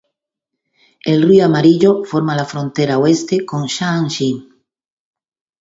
El río Amarillo forma la frontera oeste con Shaanxi.